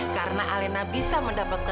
karena alena bisa mencari alena itu sendiri